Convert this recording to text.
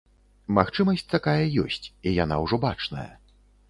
Магчымасць такая ёсць, і яна ўжо бачная.